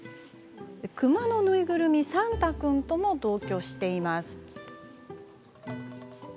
熊のぬいぐるみ、サンタ君とも同居しています。